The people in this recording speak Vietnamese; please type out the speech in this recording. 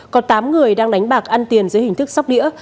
có tám người đang đánh bạc ăn tiền dưới hình thức sóc đĩa